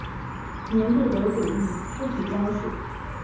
年度得主以粗体标示。